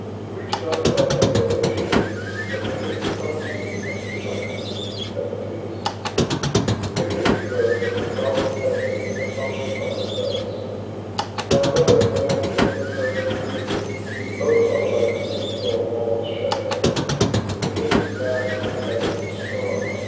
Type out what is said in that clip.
Preach not to others what they should eat, but eat as becomes you, and be silent. Epictetus. Victor Hugo makes a donkey meditate and apostrophize thus: My brother, man, if you would know the truth, We both are by the same dull walls shut in; The gate is massive and the dungeon strong.